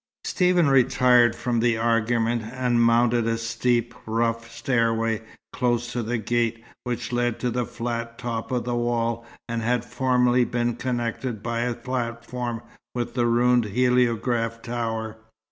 Stephen retired from the argument, and mounted a steep, rough stairway, close to the gate, which led to the flat top of the wall, and had formerly been connected by a platform with the ruined heliograph tower.